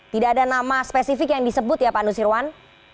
tidak ada nama spesifik yang disebut ya pak nusirwan